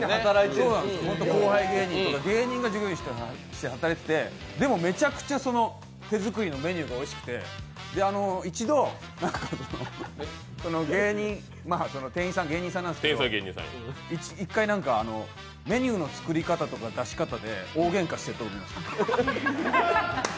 後輩芸人とかが従業員として働いててでも、めちゃくちゃ手作りのメニューがおいしくて、店員さんは芸人なんですけど、一回、メニューの作り方とか出し方で大げんかしてました。